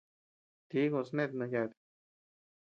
Tíkun snet no yàta.